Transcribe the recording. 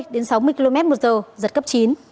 đến sáu mươi km một giờ giật cấp chín